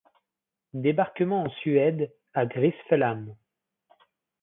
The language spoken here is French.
Débarquement en Suède, à Grisfelhamm.